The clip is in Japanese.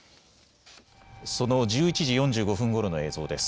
その１１時４５分ごろの映像です。